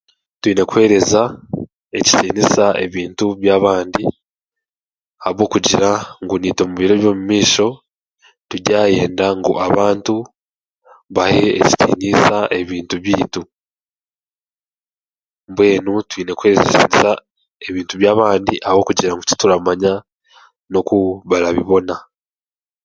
Twine kuheereza ekitiinisa ebintu by'abandi ahabwokugira ngu naitwe mubiro by'omumaisho turyayenda ngu abantu bahe ekitiinisa ebintu byaitu mbwenu twine kuheereza ekitiinisa ebintu by'abandi ahabw'okugira ngu tituramanya n'oku barabibona